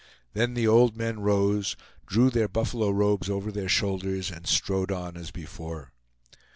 Then the old men rose, drew their buffalo robes over their shoulders, and strode on as before.